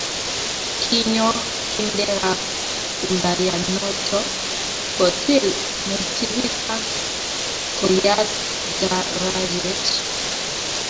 kinyo kindekab ulayainotokotil mosipit ak koyaat darajet